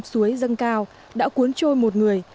suối dâng cao đã cuốn trôi một người